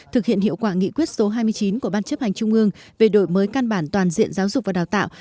thực hiện hiệu quả nghị quyết số hai mươi chín của ban chấp hành trung ương về đổi mới căn bản toàn diện giáo dục và đào tạo